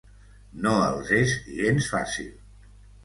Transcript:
No els és gens fàcil.